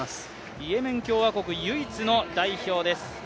イエメン共和国唯一の代表です。